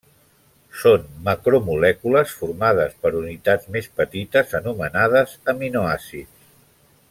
Són macromolècules formades per unitats més petites, anomenades aminoàcids.